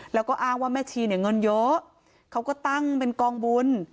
แล้วก็อ้างว่าแม่ชีเนี่ยเงินเยอะเขาก็ตั้งเป็นกองบุญ